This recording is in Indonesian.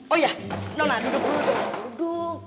oh iya nona duduk dulu duduk duduk duduk